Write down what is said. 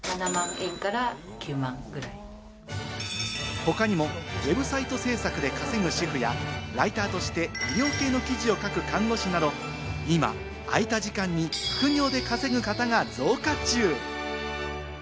他にも、ウェブサイト制作で稼ぐ主婦や、ライターとして医療系の記事を書く看護師など、今、空いた時間に副業で稼ぐ方が増加中。